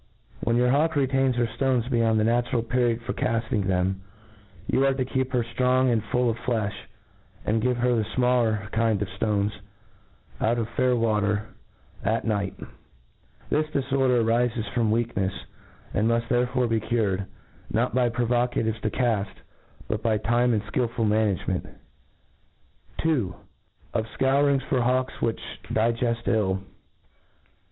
When your hawk retains her ftones beyond the natural pferiod for cafting them^ you arc to keep her ftrong and full of flelh, and give her the fmaller kind of ftones, out of faiir water, at night* This diforder arifes from weakhelsj and miift therefore be cured, not by provocatives to caft, but by time and ikiUful management: 2. Of Scour ings for Hawks which digeft ill.